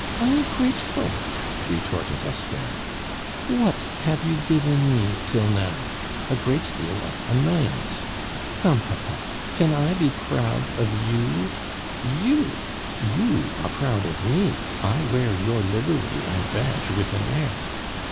"Ungrateful!" retorted Esther. "What have you given me till now? A great deal of annoyance. Come, papa! Can I be proud of you? You! you are proud of me; I wear your livery and badge with an air.